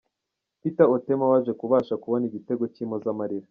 Peter Otema waje kubasha kubona igitego cy’impozamarira.